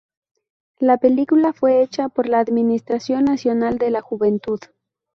La película fue hecha por la Administración Nacional de la Juventud.